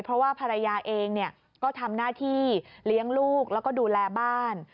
เพราะว่าภรรยาเองก็ทำหน้าที่เลี้ยงลูกแล้วก็ดูแลบ้าน